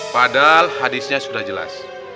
padahal hadisnya sudah jelas